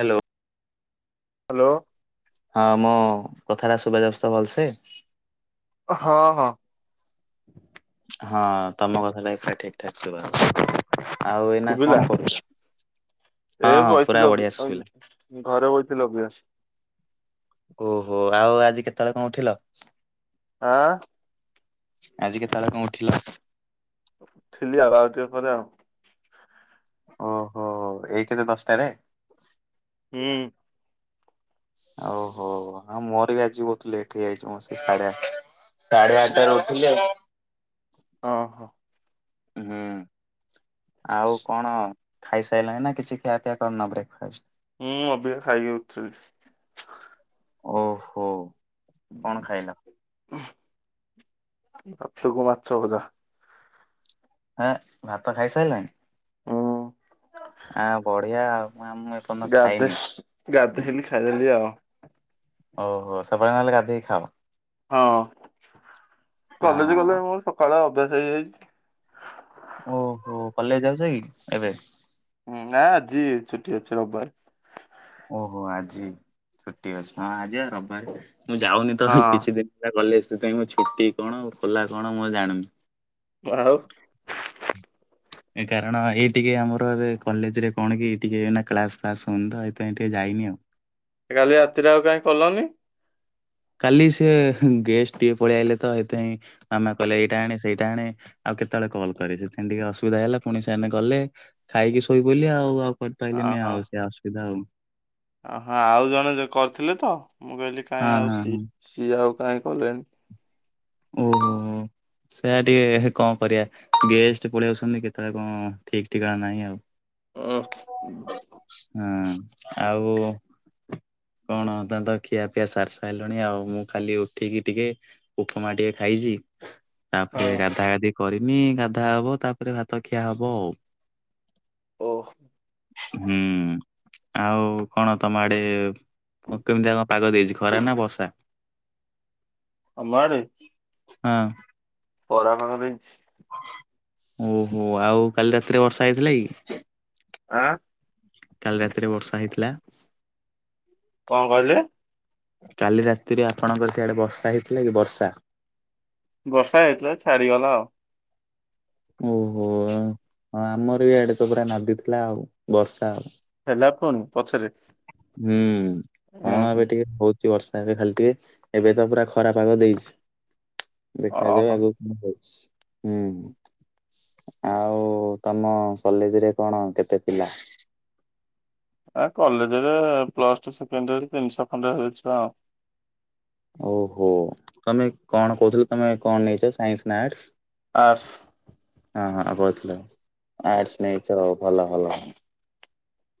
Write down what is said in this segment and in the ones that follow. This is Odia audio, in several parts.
ହାଲୋ। ହାଲୋ। ହଁ ମୋ କଥା ଟା ସୁଭାଯାଉଛି ତ ଭଲସେ। ହଁ ହଁ। ହଁ ତମ କଥାଟା ଏକା ଠିକ ଠାକ୍ ଶୁଭା ହଉଛି ଆଉ ଏଇନା ଶୁଭିଲା କଣ କରୁଛ। ଏ ହଁ ହଁ ପୁରା ବଇଥିଲି ଅବି ବଢିଆ ଶୁଭିଲା। ଅବି ଘରେ ବଇଥିଲି ଅବିକାସ। ଓହୋ ଆଉ ଆଜି କେତେବେଳେ କଣ ଉଠିଲ? ଆଁ। ଆଜିି କେତେବେଳେ କଣ ଉଠିଲ? ଉଠିଲି ଆଉ ଆଉ ଟିକେ ପରେ ଆଉ। ଓହୋ ଏଇ କେତେ ଦଶଟାରେ? ହୁଁ। ଓହୋ ହଁ ମୋ ରବି ଆଜି ବହୁତ ଲେଟ୍ ହେଇଯାଇଛି ମୋ ସେ ସାଢେ ଆଠ ସାଢ଼େ ଆଠଟାରେ ଉଠିଲି ଆଉ। ଓ ହୋ। ହୁଁ ଆଉ କଣ? ଖାଇସାଇଲଣି ନା କିଛି ଖିଆପିଆ କରିନ ବ୍ରେକଫାଷ୍ଟ। ହୁଁ ଅବିକା ଖାଇକି ଉଠିଲି। ଓହୋ କଣ ଖାଇଲ? ଭାତକୁ ମାଛଭଜା। ଏଁ ଭାତ ଖାଇସାଇଲଣି ହୁଁ ଆଁ ବଢିଆ ଆଉ। ମୁଁ ଆ ମୁଁ ଏପନ୍ତ ଗାଧେ ଖାଇନି। ଗାଧେଇଲି ଖାଇଦେଲି ଆଉ। ଓହୋ ସବୁବେଳେ ନହେଲେ ଗାଧୋଇକି ଖାଅ। ହଁ କଲେଜ ଗଲେ ମୋର ସକାଳୁଆ ଅଭ୍ୟାସ ହେଇଯାଇଛି। ଓହୋ କଲେଇ ଯାଉଛ କି ଏବେ? ହୁଁ ଆ ଆଜିି ଛୁଟି ଅଛି ରବିବାର। ଓହୋ ଆଜି ଛୁଟି ଅଛି ହଁ ଆଜି ଆ ରବିବାରେ। ମୁଁ ଯାଉନି ତ ହିଁ ହଁ କିଛି ଦିନ ହେଲା କଲେଜ [unintelligible] ମୁଁ ଛୁଟି କଣ ଖୋଲା କଣ ମୁଁ ଆଉ ଜାଣୁନି। ଆଉ କାରଣ ଏଇ ଟିକେ ଆମର ଏ କଲେଜରେ କଣ କି ଟିକେ ନା କ୍ଲାସ ଫ୍ଲାସ ହୋଉନି ତ ହେଇଥିପାଇଁ ଟିକେ ଯାଇ ନି ଆଉ। କାଲି ରାତିରେ ଆଉ କାଇଁ କଲନି। କାଲି ସିଏ ହେଁ ଗେଷ୍ଟ ଟିକେ ପଳେଇ ଆଇଲେ ତ ହେଇଥିପାଇଁ ମାମା କହିଲେ ଏଇଟା ଆଣେ ସେଇଟା ଆଣେ ଆଉ କେତେବେଳେ କଲ୍ କରି ସେଇଥିପାଇଁ ଟିକେ ଅସୁବିଧା ହେଇଗଲା ପୁଣି ସେମାନେେ ଗଲେ ଖାଇକି ଶୋଇ ପ‌ଇଲି ଆଉ ଆଉ କରି ପାଇଲିନି ଆଉ ସେଇ ଆସୁବିଧା ଆଉ। ଅ ହଁ ଆଉ ଜଣେ ଯେ କରିଥିଲେ ତ ମୁଁ କହିଲି କାହିଁ ହଁ ଆଉ ହଁ ସି ହଁ। ସିଏ ଆଉ କାଇଁ କଲେନି? ଓହୋ। ସେଇଆା ଟିକେ କଣ କରିବା। ଗେଷ୍ଟ ପଳେଇ ଆଉଛନ୍ତି କେତେବେଳେ କଣ ଠିକ ଠିକଣା ନାହିଁ ଆଉ। ଉଁ ହଁ ଆଉ। କଣ ତମେ ତ ଖିଆପିଆ ସାରି ସାରିଲଣି ଆଉ ମୁଁ ଖାଲି ଉଠିକି ଟିକେ ଉ ପମା ଟିକେ ଖାଇଛି ତାପରେ ହଁ ଗାଧା ଗାଧି କରିନି ଗାଧା ହବ ତାପରେ ଭାତଖିଆ ହବ ଆଉ। ଓ। ହୁଁ। ଆଉ କଣ ତମ ଆଡେ କେମିତିଆ କଁ ପାଗ ଦେଇଛି ଖରା ନା ବର୍ଷା? ଆମ ଆଡେ? ହଁ। ଖରା ପାାଗ ଦେଇଚି। ଓହୋ ଆଉ କାଲି ରାତିରେ ବର୍ଷା ହେଇଥିଲା କି? ଆଁ କାଲି ରାତିରେ ବର୍ଷା ହେଇଥିଲା। କଣ କହିଲେ? କାଲି ରାତିରେ ଆପଣଙ୍କର ସିଆଡେ ବର୍ଷା ହେଇଥିଲା କି ବର୍ଷା? ବର୍ଷା ହେଇଥିଲା ଛାଡିଗଲା ଆଉ। ଓହୋ, ହଁ ଆମର ବି ଇଆଡେ ତ ପୁରା ନାଦି ଥିଲା ଆଉ ବର୍ଷା ଆଉ। ହେଲାଫୋନ ପଛରେ। ହୁଁ ଉୁଁ କଣ ହୁଁ। ଏବେ ଟିକେ ହଉ ବର୍ଷା ହେବେ ଖାଲି ଟିକେ ଏବେ ତ ପୁରା ଖରାପ ପାଗ ଦେଇଛି। ଦେଖାାଯାଉ ଓହୋ ଆଗକୁ କନ ହୋଉଛି। ହୁଁ। ଆଉ ତମ କଲେଜରେ କଣ କେତେ ପିଲା? କଲେଜରେ ପ୍ଲସ ଟୁ ସେକେଣ୍ଡ ଇୟର ରେ ତିନିଶ ଖଣ୍ଡ ହେବେ ଛୁଆ ଆଉ। ଓହୋ ତମେ କଣ କହୁଥିଲ ତମେ କଣ ନେଇଛ ସାଇନ୍ସ ନା ଆର୍ଟସ? ଆସ ହଁ ହଁ କହୁଥିଲ ଆଟ୍ସ ନେଇଚ ଭଲ ଭଲ।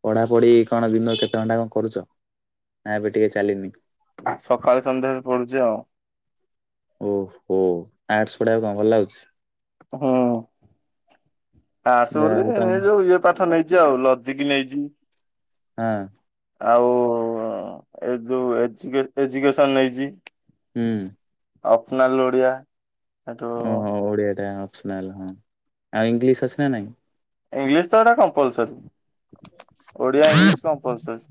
ପଢା ପଢି କଣ ଦିନ କେତେ ଘଣ୍ଟା କଣ କରୁଛ? ନା ଏବେ ଟିକେ ଚାଲିନି। ସକାଳେ ସନ୍ଧ୍ୟାଳେ ପଡୁଛି ଆଉ। ଓହୋ ଆର୍ଟସ ପଢକୁ କଣ ଭଲ ଲାଗୁଛି। ହୁଁ ଆ ଆସ ଯାହା ହଉ ବୋଲି ତମ ଏ ଯୋଉ ଇଏ ପାଠ ନେଇ ଆଉ ଲଜିକ ନେଇଛି। ହଁ। ଆଉ ଏ ଯୋଉ ଏ ଏଜୁକେସନ ନେଇଛି। ହୁଁ। ଅଫନାଲ ଓଡିଆ ଏଠୁ ଓହୋ ଓଡିଆ [unintelligible] ଆଉ ଇଂଲିଶ ଅଛି ନା ନାଇଁ। ଇଂଲିଶ ତ ଏଟା କମ୍ପଲସରୀ ଓଡିଆ ଇଂଲିଶ କମ୍ପଲସରୀ।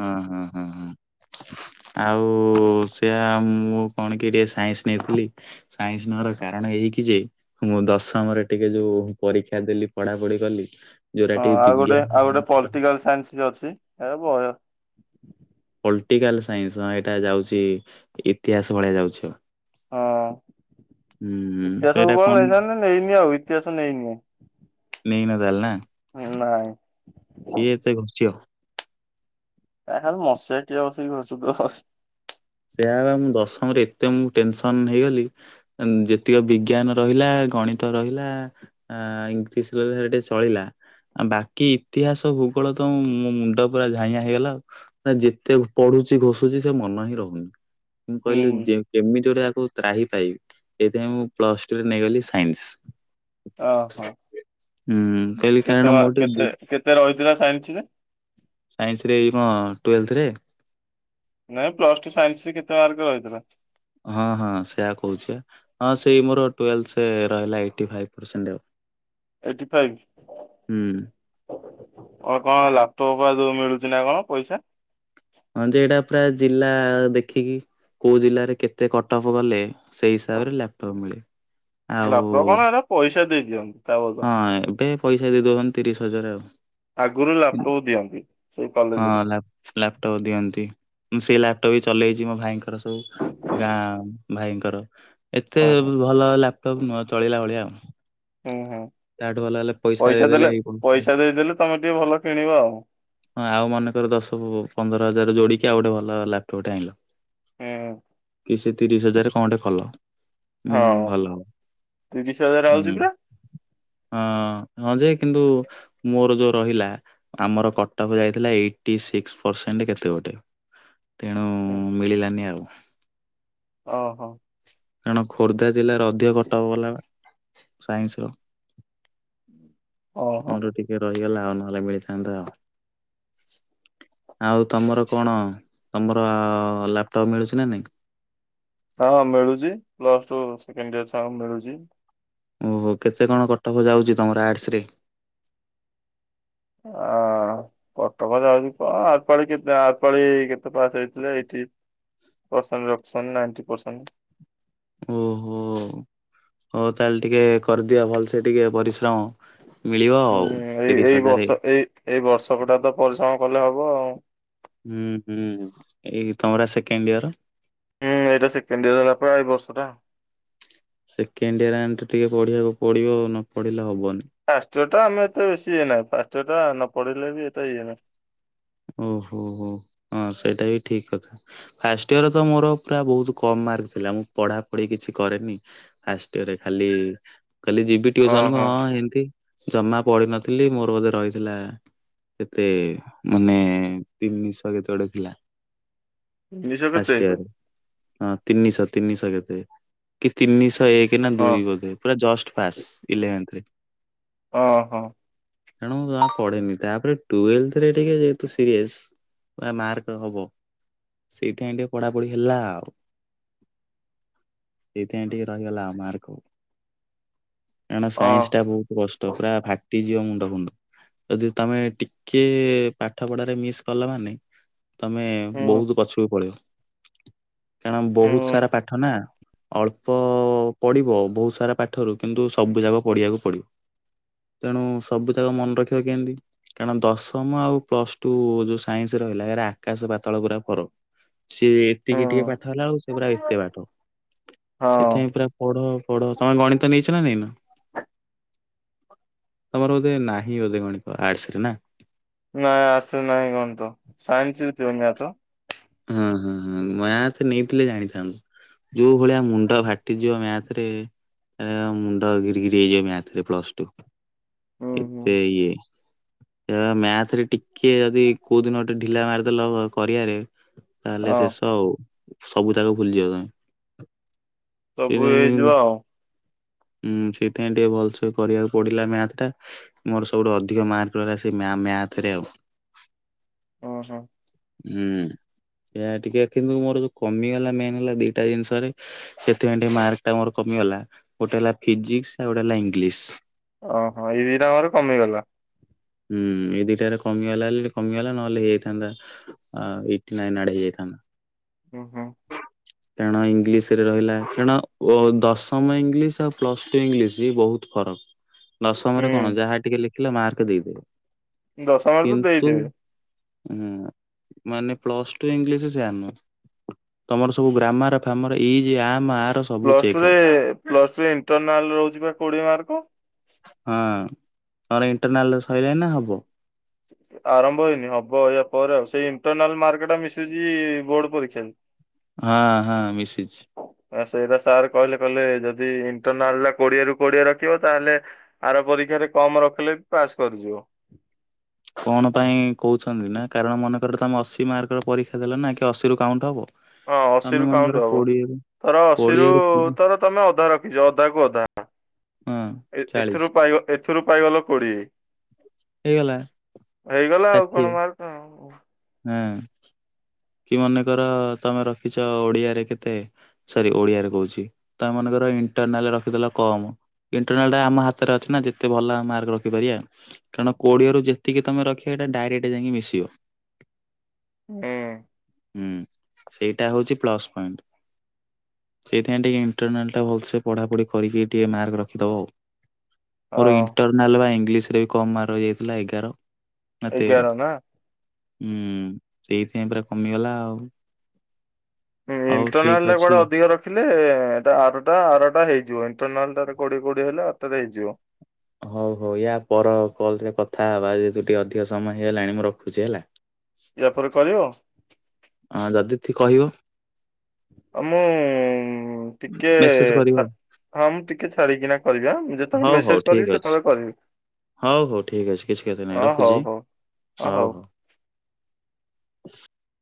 ହଁ ହଁ ହଁ ହଁ। ଆଉ ସେଆ ମୁଁ କଣ କି ଟିକେ ସାଇନ୍ସ ନେଇଥିଲି ସାଇନ୍ସ ନବାର କାର କାରଣ ଏଇକି ଯେ ମୁଁ ଦଶମରେ ଟିକେ ଯୋଉ ପରୀକ୍ଷା ଦେଲି ପଢା ପଢି କଲି ଯୋଉଟା ହଁ ଟିକେ ଆଉ ଗୋଟେ ବିଜ୍ଞାନ ଆଉ ଗୋଟେ ପଲିଟିକାଲ ସାଇନ୍ସ ବି ଅଛି ହେ ବହ ପଲଟିକାଲ ସାଇନ୍ସ ହଁ ଏଇଟା ଯାଉଛି ଇତିହାସ ଭଳିଆ ଯାଉଛି ଆଉ। ହଁ। ହୁଁ ଇତିହାସକୁୁ ସେଇଟା ଭୂଗୋଳ କଣ ନେଇଥାନ୍ତି ନେଇନି ଆଉ ଇତିହାସ ନେଇନି। ନେଇନ ତାହେଲେ ନା ନାଇଁ ସିଏ ଏତେ ଘୋସୁଚି ଆଉ। ଏ ଖାଲି ମସିହା କିଏ ବସିକି ଘୋସୁଥିବ ବସି ସେଇୟା ପା ମୁ ଦଶମରେ ଏତେ ମୁଁ ଟେନସନ ହେଇଗଲି ଯେତିକି ବିଜ୍ଞାନ ରହିଲା ଗଣିତ ରହିଲା ଆ ଇଂଲିଶ ରହିଲା ଟେ ଚଳିଲା। ଆ ବାକି ଇତିହାସ ଭୂଗୋଳ ତ ମୋ ମୁଣ୍ଡ ପୁରା ଝାଇଁଆ ହେଇଗଲା ଯେତେ ପଢୁ ପଢୁଛି ଘୋଷୁଛି ସେ ମନ ହିଁ ରହୁନି। ମୁଁ କହିଲି ଯେ ଯେମିତି ଯଉଟାକୁ ତ୍ରାହି ପାଇବି ଏଇଥିପାଇଁ ମୁଁ ପ୍ଲସ ଟୁ ରେ ନେଇଗଲି ସାଇନ୍ସ। ଓହୋ ହୁଁ କହିଲି କାରଣ କେତେ ବା ମୁଁ ଟିକେ ବୁ- କେତେ କେତେ ରହିଥିଲା ସାଇଞ୍ଚି ରେ? ସାଇନ୍ସ ରେ ଏଇ କଣ ଟୁଏଲଥରେ? ନାଇଁ ପ୍ଲସ ଟୁ ସାଇନ୍ସରେ କେତେ ମାର୍କ ରହିଥିଲା? ହଁ ହଁ ସେଆ କହୁଛି ପା ହଁ ସେଇ ମୋର ଟ୍ୱେଲ୍ଥରେ ରହିଲା ଏଇଟି ଫାଇବ ପେରସେଣ୍ଟ ଆଉ। Eighty five? ହୁଁ। ଆ କଣ ଲାପଟପ ପା ଯୋଉ ମିଳୁଛି ନା କଣ ପଇସା। ହଁ ଯେ ଏଇଟା ପୁରା ଜିଲ୍ଲା ଦେଖିକି। କୋଉ ଜିଲ୍ଲାରେ କେତେ କଟଅଫ୍ ଗଲେ ସେଇ ହିସାବରେ ଲାପଟପ ମିଳେ। ଲାପଟପ ଆଉ କଣ ଏରା ପଇସା ଦେଇ ଦିଅନ୍ତି। ତା ବଦଳ। ହଁ ଏବେ ପଇସା ଦେଇଦେଉଛନ୍ତି ତିରିଶ ହଜାର ଆଉ। ଆଗରୁ ଲାପଟପ୍ ଦିଅନ୍ତି ସେଇ କଲେଜରେ ହଁ ଲପ ଲାପଟପ୍ ଦିଅନ୍ତି। ମୁଁ ସେ ଲାପଟପ୍ ବି ଚଲେଇଛି ମୋ ଭାଇଙ୍କର ସବୁ ଗାଁ ଭାଇଙ୍କର। ଏତେ ଓହୋ ଭଲ ଲାପଟପ୍ ନୁହଁ ଚଳିଲା ଭଳିଆ ଆଉ। ହୁଁ ହୁଁ। ତାଠୁ ଭଲ ହେଲେ ପଇସା ଦେଇଦେଲେ ଦେଲେ ହେଇପଇସାରେ ପଇସା ଦେଇଦେଲେ ତମେ ଟିକେ ଭଲ କିଣିବ ଆଉ ହଁ ଆଉ ମନେକର ଦଶ ପନ୍ଦର ହଜାର ଯୋଡିି କି ଆଉ ଗୋଟେ ଭଲ ଲାପଟପ୍ ଟେ ଆଣିଲ। ହୁଁ। କି ସେ ତିରିଶ ହଜାର କଣଟେ କଲ। ହୁଁ ହଁ ଭଲ ତିରିଶ ହଜାର ଆଉଛି ହୁଁ। ପରା ହଁ ହଁ ଯେ କିନ୍ତୁ ମୋର ଯୋଉ ରହିଲା ଆମର କଟକ ଯାଇଥିଲା ଏଇଟି ସିକ୍ସ ପରସେଣ୍ଟ କେତେ ଗୋଟେ ତେଣୁ ମିଳିଲାନି ଆଉ। ଓ ହୋ। କାରଣ ଖୋର୍ଦ୍ଧା ଜିଲ୍ଲାରେ ଅଧିକ କଟକ ବାଲା ବା ସାଇନ୍ସର। ଓହୋ ମୋର ଟିକେ ରହିଗଲା ଆଉ ନହେଲେ ମିଳିଥାନ୍ତା। ଆଉ ତମର କଣ ତମର ଲାପଟପ୍ ମିଳୁଛି ନା ନାଇଁ? ହଁ ହଁ ମିଳୁଛି ପ୍ଲୁସ ଟୁ ସେକେଣ୍ଡ ଇଅର ଛୁଆଙ୍କୁ ମିଳୁଛି। ଓହୋ କେତେ କଣ ଟକଅଫ ଯାଉଛି ତମର ଆର୍ଟସ ରେ? ହ କଟ ଅଫ ଯାଉଛି କଣ ଆରପାଳି କେତେ ଆରପାଳି କେତେ ପାସ ହେଇଥିଲେ ଏଇଠି ପରସେଣ୍ଟ ରଖୁଛନ୍ତି ନାଇନ୍ଟି ପରସେଣ୍ଟ। ଓହୋ। ହଉ ତାହେଲେ ଟିକେ କରିଦିଅ ଭଲସେ ଟିକେ ପରିଶ୍ରମ ମିଳିବ ହୁଁ ଆଉ ଏଇ ତିରିଶ ଏଇ ହଜାର ବର୍ଷ ଏଇ ଏଇ ବର୍ଷକଟା ତ ପରିଶ୍ରମ କଲେ ହବ ଆଉ। ହୁଁ ହୁଁ ଏଇ ତମର ପା ସେକେଣ୍ଡ ଇୟର? ହୁଁ ଏଇଟା ସେକେଣ୍ଡ ଇୟର ହେଲା ପରା ଏଇ ବର୍ଷଟା। ସେକେଣ୍ଡ ଇଅର ମାନେ ତ ଟିକେ ପଢିବାକୁ ପଡିବ ଆଉ ନ ପଢିଲେ ହବନି। ପାଷ୍ଟ ଟା ଆମେ ଏତେ ବେଶୀ ଇଏନାହିଁ ପାଷ୍ଟ ଟା ନ ପଢିଲେ ବି ଏଟା ଇଏ ନାହିଁ। ଓହୋ ହୋ ହଁ ସେଇଟା ବି ଠିକ କଥା ଫାଷ୍ଟ ଇୟର ତ ମୋର ପୁରା ବହୁତ କମ। ମାର୍କ ଥିଲା ମୁଁ ପଢା ପଢି କିଛି କରିନି, ଫାଷ୍ଟ ଇଅର ରେ ଖାଲି କଲି ଯିବି ଟିଉସନ କୁ ଓହୋ ହଁ ଏମତି। ଜମା ପଡିିନଥିଲି ମୋର ବୋଧେ ରହିଥିଲା ଏତେ ମାନେ ତିନିଶହ କେତେ ଗୋଟେ ଥିଲା। ତିନିଶ ଫାଷ୍ଟ କେତେ ଇୟରରେ ହଁ ତିନିଶହ ତିନିଶହ କେତେ କି ତିନିଶହ ଏକ ନା ହଁ ଦୁଇ କୋଧେ ପୁରା ଜଷ୍ଟ ପାସ୍ ଇଲେଭେନଥରେ। ଓ ହୋ। ତେଣୁ ମୁ ଯା ପଢେନି ତାପରେ ଟୁଏଲଥ ରେ ଟିକେ ବହୁତୁ ସିରିୟସ, ଆ ମାର୍କ ହବ। ସେଇଥିପାଇଁ ଟିକେ ପଢାପଢି ହେଲା ଆଉ। ସେଇଥିପାଇଁ ଟିକେ ରହିଗଲା ମାର୍କ। କାରଣ ଓ ସାଇନ୍ସ ଟା ବହୁତ କଷ୍ଟ ପୁରା ଫା ଯିବ ମୁଣ୍ଡ ଫୁଣ୍ଡ, ଯଦି ତମେ ଟିକେ ପାଠ ପଢାରେ ମିସ୍ କଲା ମାନେ ତମେ ହୁଁ ବହୁତ ପଛକୁ ପଳେଇିବ। କାରଣ ବହୁତ ହୁଁ ସାରା ପାଠ ନା ଅଳ୍ପ ପଡିବ ବହୁତ ସାରା ପାଠରୁ କିନ୍ତୁ ସବୁ ଯାକ ପଢିବାକୁ ପଡିବ। ତେଣୁ ସବୁ ଯାକ ମନେ ରଖିବ କେମିତି କାରଣ ଦଶମ ଆଉ ପ୍ଲସ ଟୁ ଯୋଉ ସାଇନ୍ସ ରହିଲା ଏରା ଆକାଶ ପାତାଳ ଗୁରା ଫରକ୍ ସିଏ ତିକି ଟିକେ ପାଠ ହୁଁ ହେଲା ବେଳ ସେ ପୁରା ଏତେ ପାଠ। ହଁ ସେଥିପାଇଁ ପୁରା ପଢ ପଢ ତମେ ଗଣିତ ନେଇଚ ନା ନେଇଁ ନ? ତମର ବୋଧେ ନାହିଁ ବୋଧେ ଗଣିତ ଆର୍ଟସରେ ନା? ନାଇଁ ଆର୍ଟସରେ ନାଁହୀ ଗଣିତ, ସାଇନ୍ସରେ ଥିବ ମାଥ। ହଁ ହଁ ମ୍ୟାଥ ନେଇଥିଲେ ଜାଣିଥାନ୍ତୁ, ଯୋଉ ଭଳିଆ ମୁଣ୍ଡ ଫାଟିଯିବ ମ୍ୟାଥରେ ମୁଣ୍ଡ ଗିରିିକିରି ହେଇଯିବ ମଥରେ ପ୍ଲସ ଟୁ ହୁଁ ହୁଁ। ଏତେ ଇଏ କାଇନା ମାଆଥ ଏଥିରେ ଟିକେ ଯଦି କୋଉ ଦିନ ଗଟେ ଢିଲା ମାରିଦେଲ କରିବାରେ ତାହେଲେ ହଁ ଶେଷ ଆଉ ସବୁ ଯାକ ଭୁଲିଯିବ ତମେ। ସବୁ ସେଇଥିପାଇଁ ହେଇଯିବ ଆଉ। [inaudible] ଉଁ ସେଥିପାଇଁ ଟିକେ ଭଲ ସେ କରିବାକୁ ପଡିଲା ମାଥ ଟା ମୋର ସବୁଠୁ ଅଧିକ ମାର୍କ ରହିଲା ସେ ମା ମା ଥ ରେ ଆଉ। ଓ ହୋ। ହୁଁ। ସେଇା ଟିକେ କିନ୍ତୁ ମୋର ଯୋଉ କମିଗଲା ମେନ୍ ହେଲା ଦିଟା ଜିନିଷରେ ସେଥିପାଇଁ ଟିକେ ମାର୍କ ଟା ମୋର କମିଗଲା ଗୋଟେ ହେଲା ଫିଜିକସ ଆଉ ଗୋଟେ ହେଲା ଇଂଲିଶ। ଓହୋ ଏଇ ଦିଟା ଙ୍କରେ କମିଗଲା। ହୁଁ ଏ ଦିଟାରେ କମିଗଲା ବୋଲି କମିଗଲା ନହେଲେ ହେଇଯାଇଥାନ୍ତା ଏଇଟ୍ ଟି ନାଇନ୍ ଆଡେ ହେଇଥାନ୍ତା। ହୁଁ ହୁଁ। ତେଣୁ ଇଂଲିଶ ରେ ରହିଲା ତେଣ ଦଶମ ଇଂଲିଶ ଆଉ ପ୍ଲସ ଟୁ ଇଂଲିଶ ବହୁତ ଫରକ। ଦଶମରେ କଣ ହୁଁ ଯାହା ଟିକେ ଲେଖିଲ ମାର୍କ ଦେଇଦେବେ। ଦଶମରେ ତ କିନ୍ତୁ ଦେଇଦେବେ। ହୁଁ ମାନେ ପ୍ଲସ ଟୁ ଇଂଗିଲିସି ସେଇଆ ନୁହ, ତମର ସବୁ ଗ୍ରାମାର ଫାମର ଏଇଜି ଆର। ସବୁ ପ୍ଲସ ଚେକ୍ ଟୁରେ ହବ ପ୍ଲସ ଥ୍ରୀରେ ଇଣ୍ଟରନାଲ୍ ରହୁଚି ବା କୋଡିଏ ମାର୍କ? ହଁ ତମର ଇଣ୍ଟରନାଲ ସରିଲ ନା ହବ? ଆରମ୍ଭ ହେଇନି ହବ ଏଆ ପରେ ଆଉ ସେଇ ଇଣ୍ଟରନାଲ ମାର୍କ ଟା ମିଶୁଚି ବୋର୍ଡ ପରୀକ୍ଷାରେ। ହଁଆ ହଁଆ ମିଶିଛି। ସେଇଟା ସାର୍ କହିଲେ କହଲେ ଯଦି ଇଣ୍ଟରନାଲ ଟା କୋଡିଏରୁୁ କୋଡିଏ ରଖିବ ତାହେଲେ ରେ କମ ରଖିଲେ ବି ପାସ୍ କରିଯିବ। [inaudible] କଣ ପାଇଁ କହୁଛନ୍ତି ନା କାରଣ ମନେକର ତମେ ଅଶି ମାର୍କର ପରୀକ୍ଷା ଦେଲ ନା କି ଅଶିରୁ କାଉଣ୍ଟ ହବ ହଁ ତମେ ଅଶୀରୁ ମନେକର କାଉଣ୍ଟୁ ହବ। କୋଡିଏରୁ ତର ଅଶୀରୁ କୋଡିଏରୁ ତର ତମେ ଅଧା ରଖିଛ ଅଧା କୁ ଅଧା ହଁ ଚାଳିଶ ଏଥିରୁ ଏଥିରୁ ପାଇଗଲ କୋଡିଏ ହେଇଗଲା। ହେଇଗଲା ଆଉ ଷାଠିଏ କଣ ମାର୍ କଣ। ହଁ। କି ମନେକର ତମେ ରଖିଛ ଓଡିଆରେ କେତେ ସରି ଓଡିଆରେ କହୁଛି ତମେ ମନେକର ଇଣ୍ଟରନାଲ ରଖିଦେଲା କମ ଇଣ୍ଟରନାଲ ଟା ଆମ ହାତରେ ଅଛି ନା ଯେତେ ଭଲ ମାର୍କ ରଖିପାରିବା କାରଣ କୋଡିଏ ରରୁ ଯେତିକି ତମେ ରଖିବ ଡାଇରେକର୍ଡ ଯାଇକି ମିଶିବ। ହୁଁ। ହୁଁ ସେଇଟା ହଉଛି ପ୍ଲସ ପଏଣ୍ଟ। ସେଇଥିାଇଁ ଟିକେ ଇଣ୍ଟରନାଲଟା ଭଲସେ ପଢ଼ାପଢି କରିକି ଟିକେ ମାର୍କ ରଖିଦବ ଆଉ। ମୋର ହଁ ଇଣ୍ଟରନାଲ ବା ଇଂଙ୍ଗିଲିଶ ରେ ବି କମ ମାରର୍କ ରହି ଯାଇଥିଲା ଏଗାର। ନା ତେର ଏଗାର ନା। ହୁଁ ସେଇଥିପାଇଁ ପୁରା କମିଗଲା ଆଉ। ହିଁ ହଉ ଠିକ ଇଣ୍ଟରନାଲ ଟା ଅଛି। କୁଆଡେ ଅଧିକ ରଖିଲେ ଏଟା ଆରଟା ଆରଟା ହେଇଯିବ ଇଣ୍ଟରନାଲ ରେ କୋଡିଏ କୋଡିଏ ହେଲେ ଆରଟାରେ ହେଇଯିବ। ହଉ ହଉ ୟା ପର କଲରେ କଥା ହେବା ଯେହେତୁ ଟିକେ ଅଧିକ ସମୟ ହେଇଗଲାଣି ମୁଁ ରଖୁଛି ହେଲା। ୟା ପରେରେ କରିବ? ହଁ ଯଦି କହିବ? ଆ ମୁଁ ଟିକେ ମେସେଜ କରିବ ହଁ ମୁଁ ଟିକେ ଛାଡିକିନା କରିବିଆ ମୁ ଯେତେବେଳେ ହଉ ହଉ ମେସେଜ ଠିକ କରିବି ଅଛି। ସେତେବେଳେ କରିବି। ହଉ ହଉ ଠିକ ଅଛି କିଛି କଥା ନହିଁ ରଖୁଛି? ଓ ହଉ। [inaudible]